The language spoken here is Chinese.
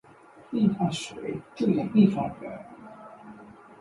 一方水土养一方人